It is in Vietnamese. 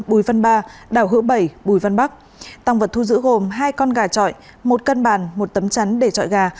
bùi văn ba đảo hữu bảy bùi văn bắc tăng vật thu giữ gồm hai con gà trọi một cân bàn một tấm chắn để trọi gà